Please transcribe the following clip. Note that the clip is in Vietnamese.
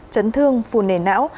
chấn thương phù nền não